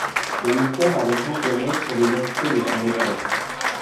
Le mystère a longtemps plané sur l'identité de son auteur.